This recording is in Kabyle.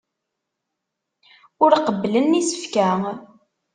Ur qebblen isefka.